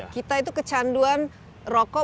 kita itu kecanduan rokok